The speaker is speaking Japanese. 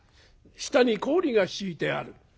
下に氷が敷いてある」。